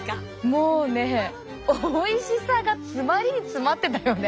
もうねおいしさが詰まりに詰まってたよね。